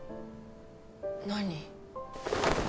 何？